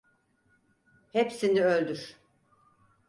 Hepsini öldür!